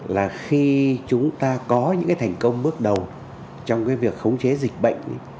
là khi chúng ta có những thành công bước đầu trong việc khống chế dịch bệnh